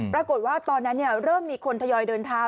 ปรากฏว่าตอนนั้นเริ่มมีคนทยอยเดินเท้า